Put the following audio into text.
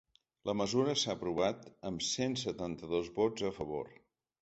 La mesura s’ha aprovat amb cent setanta-dos vots a favor.